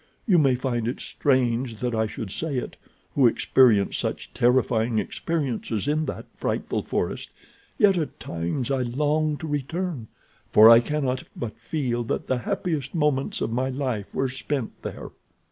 You may find it strange that I should say it, who experienced such terrifying experiences in that frightful forest, yet at times I long to return, for I cannot but feel that the happiest moments of my life were spent there."